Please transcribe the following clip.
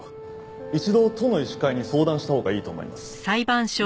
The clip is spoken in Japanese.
一度都の医師会に相談したほうがいいと思います。